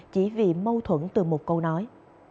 chỉ vì mâu thuẫn từ một câu nói